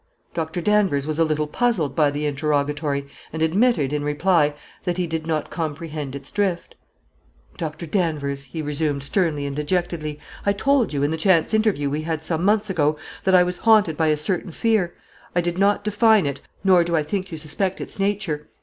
Doctor Danvers was a little puzzled by the interrogatory, and admitted, in reply, that he did not comprehend its drift. "Doctor Danvers," he resumed, sternly and dejectedly, "I told you, in the chance interview we had some months ago, that I was haunted by a certain fear. I did not define it, nor do I think you suspect its nature.